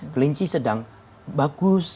kelinci sedang bagus